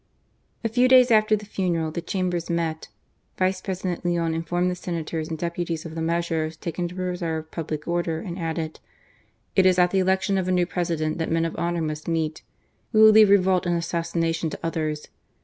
A few days after the funeral, the Chambers met. Vice President Leon informed the senators and deputies of the measures taken to preserve public order, and added ;" It is at the election of a new President that men of honour must meet. We will leave revolt and assassination to others.